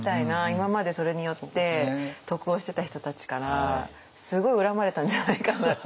今までそれによって得をしてた人たちからすごい恨まれたんじゃないかなって。